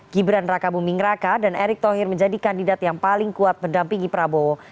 gibran raka buming raka dan erick thohir menjadi kandidat yang paling kuat mendampingi prabowo